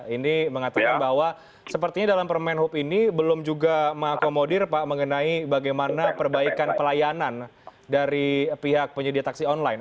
ini mengatakan bahwa sepertinya dalam permen hub ini belum juga mengakomodir pak mengenai bagaimana perbaikan pelayanan dari pihak penyedia taksi online